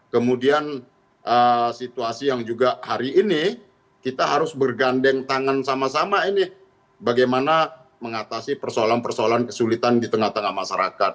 kemudian situasi yang juga hari ini kita harus bergandeng tangan sama sama ini bagaimana mengatasi persoalan persoalan kesulitan di tengah tengah masyarakat